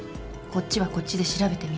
こっちはこっちで調べてみる。